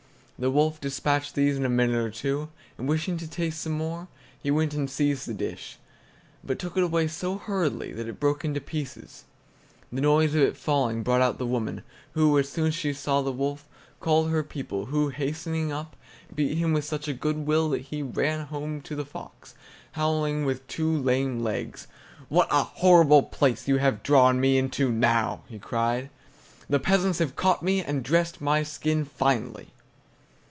The wolf dispatched these in a minute or two, and, wishing to taste some more, he went and seized the dish, but took it away so hurriedly that it broke in pieces. The noise of its fall brought out the woman, who, as soon as she saw the wolf, called her people, who, hastening up, beat him with such a good will that he ran home to the fox, howling, with two lame legs! "What a horrid place you have drawn me into now," cried he; "the peasants have caught me, and dressed my skin finely!"